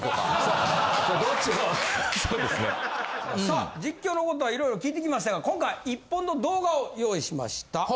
さあ実況のことは色々聞いてきましたが今回１本の動画を用意しました。